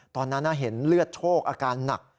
ตอนนั้นเห็นเลือดโชคอาการหนัก